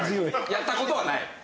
やった事はない？